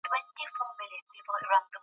او مینه واخلئ.